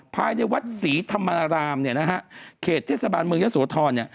ภายในวัดศรีธรรมรามเขตเทศบาลเมืองยสโทร